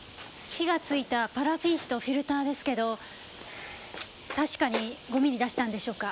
火がついたパラフィン紙とフィルターですけど確かにゴミに出したんでしょうか？